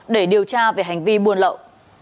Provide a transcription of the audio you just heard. để điều tra về hành vi buôn lậu